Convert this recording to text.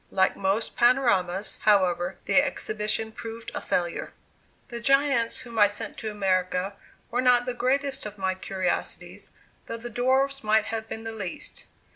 Like most panoramas, however, the exhibition proved a failure. The giants whom I sent to America were not the greatest of my curiosities, though the dwarfs might have been the least.